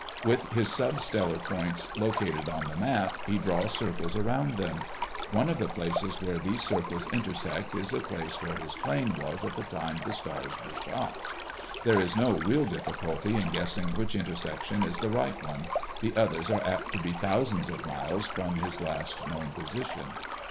With his substellar points located on the map, he draws circles around them. One of the places where these circles intersect is the place where his plane was at the time the stars were "shot." There is no real difficulty in guessing which intersection is the right one: the others are apt to be thousands of miles from his last known position.